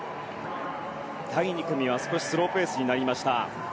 第２組は少しスローペースになりました。